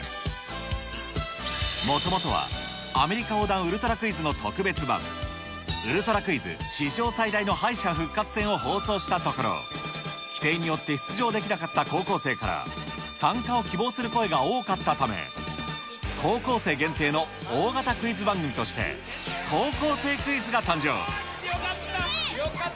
もともとは、アメリカ横断ウルトラクイズの特別版、ウルトラクイズ史上最大の敗者復活戦を放送したところ、規定によって出場できなかった高校生から参加を希望する声が多かったため、高校生限定の大型クイズ番組として、高校生クイズが誕生。